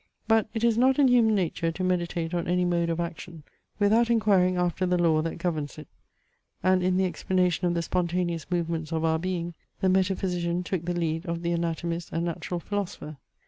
But it is not in human nature to meditate on any mode of action, without inquiring after the law that governs it; and in the explanation of the spontaneous movements of our being, the metaphysician took the lead of the anatomist and natural philosopher.